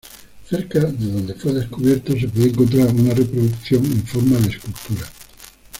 Cerca de donde fue descubierto se puede encontrar una reproducción en forma de escultura.